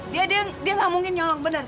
dia dia nggak mungkin nyolong bener